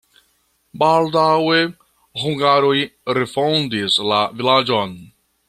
Baldaŭe hungaroj refondis la vilaĝon.